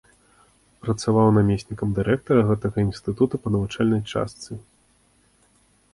Працаваў намеснікам дырэктара гэтага інстытута па навучальнай частцы.